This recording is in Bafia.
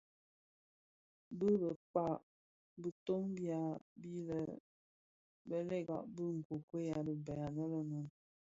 Bi bëkpag bitoň bya bi bèlèga bi nkokuel a dhibaï anë le Noun.